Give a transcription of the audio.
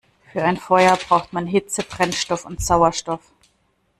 Für ein Feuer braucht man Hitze, Brennstoff und Sauerstoff.